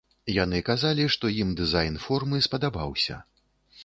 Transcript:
Яны казалі, што ім дызайн формы спадабаўся.